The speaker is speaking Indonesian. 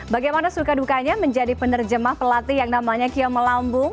bagaimana suka dukanya menjadi penerjemah pelatih yang namanya kio melambung